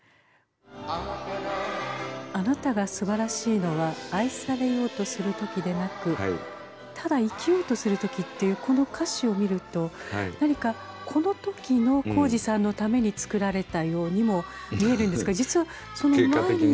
「あなたが素晴らしいのは愛されようとする時でなくただ生きようとする時」っていうこの歌詞を見ると何かこの時の宏司さんのために作られたようにも見えるんですが実はその前に。